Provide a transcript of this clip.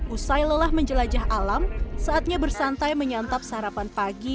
usai lelah menjelajah alam saatnya bersantai menyantap sarapan pagi